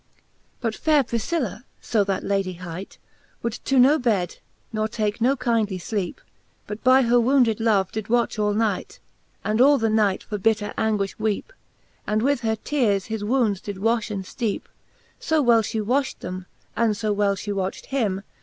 But faire PrifciUa (fo that Lady hight) Would to no bed, nor take no kindely fleepe, But by her wounded love did watch all night,, And all the night for bitter anguifh weepe, And with her teares his wounds did wafh and fteepe* So well fhe wafht them, and fo well fhe wacht him.